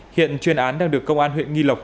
hiện chuyên án đang được công an huyện nghi lộc